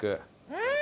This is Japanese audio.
うん！